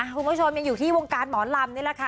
คุณผู้ชมยังอยู่ที่วงการหมอลำนี่แหละค่ะ